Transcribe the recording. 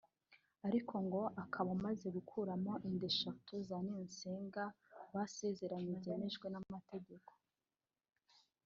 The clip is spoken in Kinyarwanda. ariko ngo akaba amaze gukuramo inda eshatu za Niyonsenga basezeranye byemewe n’amategeko